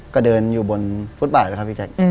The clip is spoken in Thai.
ก็เดินอยู่บนฟุตบ่ายแล้วครับพี่จักร